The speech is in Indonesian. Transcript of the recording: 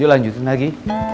yuk lanjutin lagi